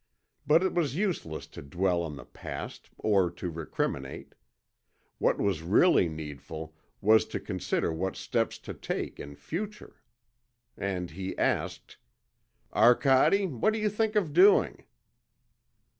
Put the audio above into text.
But it was useless to dwell on the past or to recriminate. What was really needful was to consider what steps to take in future. And he asked: "Arcade, what do you think of doing?"